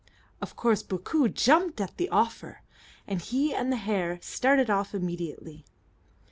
Of course Bookoo jumped at the offer, and he and the hare started off immediately.